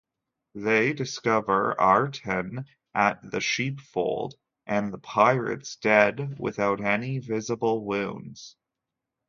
They discover Ayrton at the sheepfold, and the pirates dead, without any visible wounds.